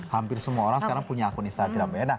hampir semua orang sekarang punya akun instagram